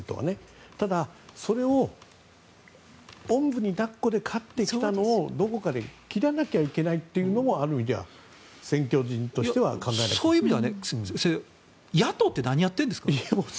ただ、それをおんぶにだっこで勝ってきたのをどこかで切らなきゃいけないというのもある意味、選挙人としてはそういう意味では野党って何やってるんですか。